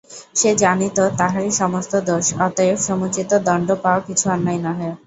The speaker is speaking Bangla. সে জানিত তাহারি সমস্ত দোষ, অতএব সমুচিত দণ্ড পাওয়া কিছু অন্যায় নহে।